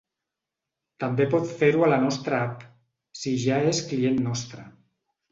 També pot fer-ho a la nostra app, si ja és client nostre.